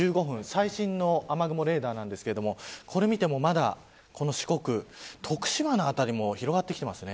最新の雨雲レーダーですがこれを見てもまだ四国、徳島の辺りも広がってきています。